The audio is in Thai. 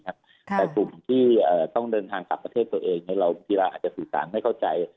แต่กลุ่มที่ต้องเดินทางกลับประเทศตัวเองกีฬาอาจจะสื่อสารไม่เข้าใจ